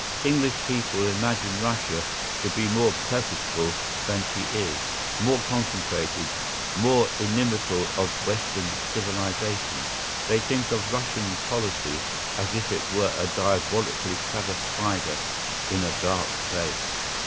English people imagine Russia to be more purposeful than she is, more concentrated, more inimical to Western civilisation. They think of Russian policy as if it were a diabolically clever spider in a dark place.